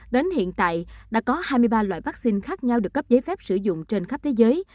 đến hiện tại đã có hai mươi ba loại vaccine khác nhau được cấp giấy phép sử dụng trên khắp thế giới